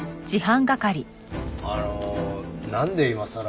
あのなんで今さら。